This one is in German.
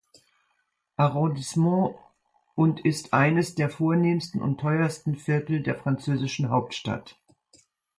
Arrondissement und ist eines der vornehmsten und teuersten Viertel der französischen Hauptstadt.